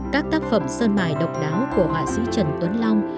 các tác phẩm sơn mài độc đáo của họa sĩ trần tuấn long